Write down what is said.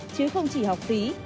chứ không chỉ học phí